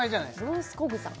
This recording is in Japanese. ロースコグさん